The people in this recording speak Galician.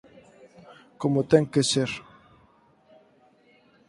Como ten que ser.